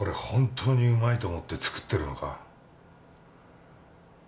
本当にうまいと思って作ってるのか？